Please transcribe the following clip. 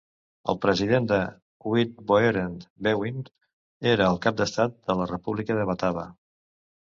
El president de Uitvoerend Bewind era el cap d'estat de la República de Batava.